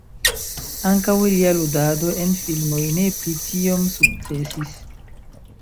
Ankaŭ lia ludado en filmoj ne pli tiom sukcesis.